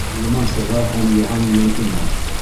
Ғилман сыға һәм Йыһан менән инә.